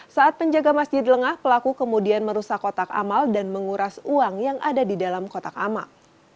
saat penjaga masjid lengah pelaku kemudian merusak kotak amal dan menguras uang yang ada di dalam kotak amal